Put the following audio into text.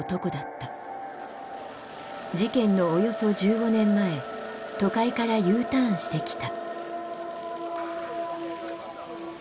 事件のおよそ１５年前都会からＵターンしてきた。